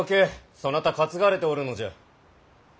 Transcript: そなた担がれておるのじゃ。